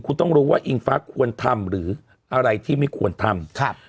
คุณต้องรู้ว่าอิงฟ้าควรทำหรืออะไรที่ไม่ควรทำ